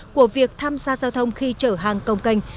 của việc tham gia giao thông khi chở hàng cồng cành